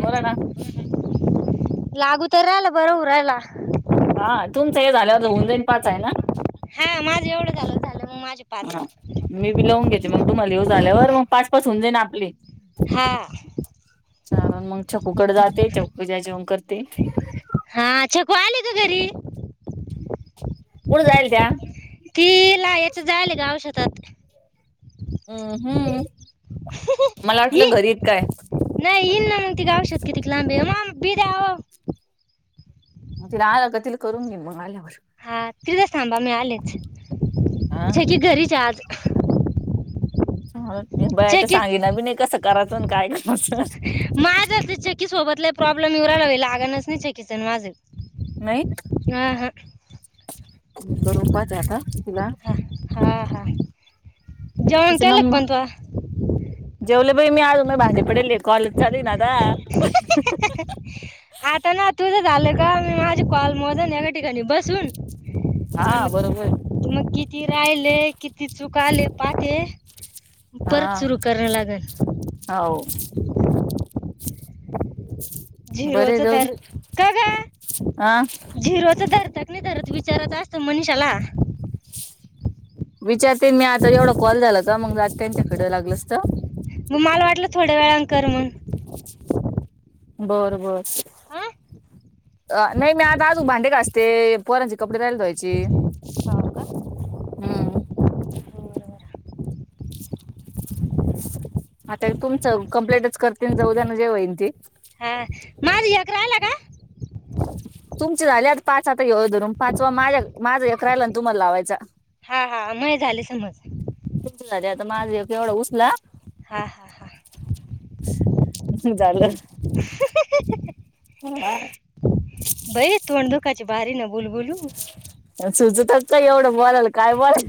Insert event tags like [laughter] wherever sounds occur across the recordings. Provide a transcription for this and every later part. बोला ना लागू तर राहिला बरं हून राहिला. हा तुमचं हे झाल्यावर, होऊन जाईन पाच हाय ना? हा माझं एवढं झालं, झालं मग माझे पाच हा मी बी लावून घेते, मग तुम्हाला येऊ झाल्यावर मग पाच- पाच हून जाई न आपले. हा. चालण मग छकूकड जाते चकू आई जेवण करते. हा छकु आली का घरी. कुठ जाईल त्या. ति लावायचे झाले का औषधात हू हू, मला ये वाटलं घरीत काय? नाही येईल ना मग तिझी औषध कि तिक लांबे म बी द्याओ मग तिला आल्या वर करतील, करून घे मग आल्यावर. हा तिथंस थांबा मी आलेच हा छकी घरीच आहे आज [unintelligible] बया ते छकी सांगेना बी नाही कस करायचं अन काय गप बस. माझं ते छकी सोबत लई प्रॉब्लेम येऊन राहिला [unintelligible] लागणच छकीच आणि माझं. नाहीत. अं ह. मी करून पाहत आहे आता. तिला. हा हा हा. जेवण तिचा केलं नंब का पण तू जेवले बाई मी आजून माय भांडे पडले. कॉलच चालूय ना आता. [unintelligible] आता ना तुझं झालं का? मी माझे कॉलज मोजन. एका ठिकाणी बसून. आणि हा बरोबरे. मग मग किती राहेले? किती चुक आले पाते. परत सुरू कराव लागल. हाव. बरे झिरोचं जाऊ धर, काग हा झिरोचं धरतात. नाही धरत विचारात असतं मनिषाला. विचारते मी आता एवढा कॉल झाला का, मग जाते त्यांच्याकडे लागलसत. म मला वाटलं थोड्या वेळान कर मग. बर बर. हा अ नाही मी आता हो अजून भांडे घासते. पोरांचे कपडे रायले धोवायचे. का हम्म. बरं बरं आता तुमचं कम्पलेटच करते. जाऊ द्या ना, जे होईन ते. हा. माझ एक राहिला का? तुमची झाली आता पाच. आता ह्यो धरून पाचवा. माझ्या माझा एक राहिला ना तुम्हाला लावायचा. हा हा मये झाले समज. [unintelligible] आता माझा येवढा एक उसला. हा हा हा. [inaudible] झालं. [unintelligible] [inaudible] ह. बाई तोंड दुखायची बारी न बोलू बोलू. सुचतच काय एवढं बलायला. काय बोला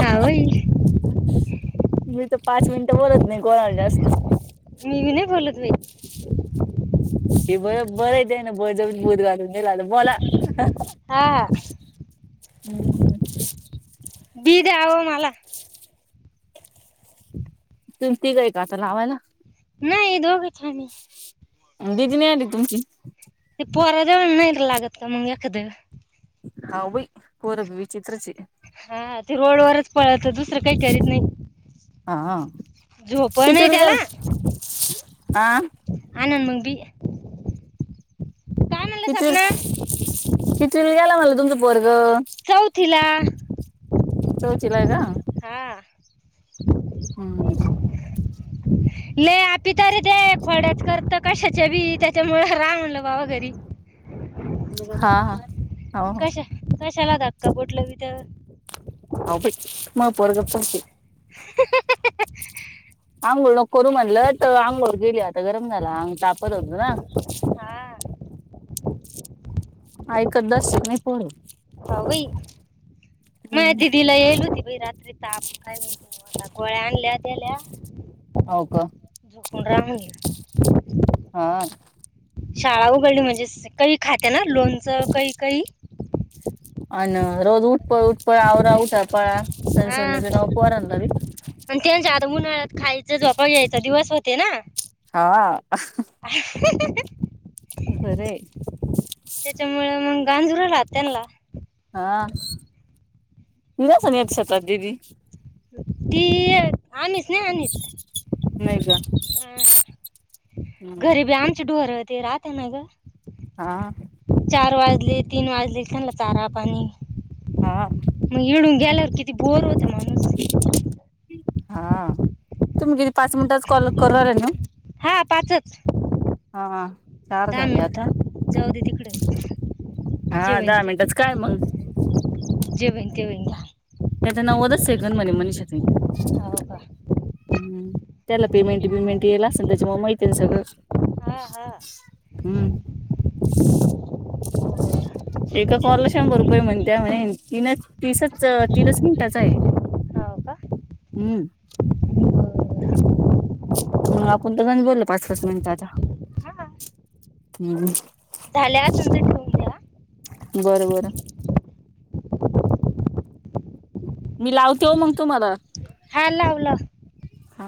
हा वई. मी त पाच मिनिटं बोलत नाही. कोणाला जास्त. ती बी नाही बोलत बाई. [unintelligible] हे बं बरंय तेयना बळ जबरीने बुलू घालून दिलायल बोला. हा हा. हम्म. बी द्याव मला. तुम तिघय का आता लावायाला? नाई. दोघचे आम्ही. दिदी नाही आली का तुमची? ते पोराजवळ नाही लागत का मग एखादं. हाव बई. पोर त विचित्रचे. हा ते रोड वरच पळत. दुसरं काही करत नाही. हा आ. झोप नाही त्याला. आ आना मग बी. काय म्हणलं सपना कितवी- कितवीला गेला म्हणल तुमचं पोरग? चौथीला. चौथीला हाय का? हा. आणि [inaudible] लई आपि तर ते खोड्याच करत कशाच्या बी त्याच्यामुळे रा म्हणलं बाबा घरी. हा हा. हो हो कशा कशाला धक्का बोट लावी त्यावर. अग बई, मय पोरग पासये. आंघोळ नको करू म्हणलं तर आंघोळ केली आता गरम झाला तापत होत न. हा ऐकत दस [unintelligible] पोर. काव बई, माया दीदीला याईली होती रात्री ताप काय माहिती ओ आता गळ्या आणल्या त्याल्या. हाव का? झोपून रा म्हणलं. हा. शाळा उघडली म्हणजे, सकाळी खाते ना लोनचं काही काही. अन रोज उठ पळ उठ पळ आवरा उठा पळा सन हा सन येतेना ओ पोरानला बी. आणि त्यांच्या आता उन्हाळ्यात खायच झोपायच दिवस होते ना. हा. [inaudible] बराये. त्याच्यामुळे मग गांजूरला त्यांनला. हा, निरासन येत सत [unintelligible] ती आम्हीच नाही आणीत. नय ग. आ हां, हम्म घरीबी आमचे डोर ते राहते ना ग. हा. चार वाजले, तीन वाजले त्यांनला चारा पाणी. हा. मग येळून गेल्यावर किती बोर हो हा, तुम्ही किती पाच मिनिटात कॉल करायला नव? हा पाचच, हा चार दहा झाले मिनिट आता जाऊ दे तिकड. हा दहा मिनटाचं काय मग? जेवेन केवेन भा. त्याच नवदच सेकंड म्हणे मनिष ताई. हाव का? हम्, त्याला पेमेंट बिमेंट येयल असेल त्याच्यामुळे माहिती आहे ना सगळं. हा हा. हम्म. बरं एका हो कॉल ला का शंभर रुपये म्हणत्या म्हणे तीन तीसच तीनच मिनिटाच आहे. हाव हम्म्. मग आपण तर, नाहीच बोललं पाच-पाच मिनिटं आता. हा हम्. झाल्या असेल तर द्या बर बर. मी लावते हो मग तुम्हाला? हा लाव लाव. हा